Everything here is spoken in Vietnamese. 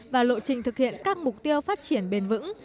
và lộ trình thực hiện các mục tiêu phát triển bền vững